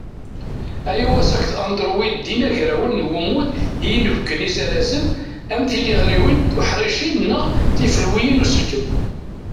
IOS akked Androïd d inagrawen n wammud i ibenken izirazen, am tiliɣriwin tuḥricin neɣ tifelwiyin n uselkem.